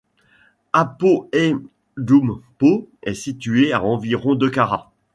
Apoeydoumpo est situé à environ de Kara,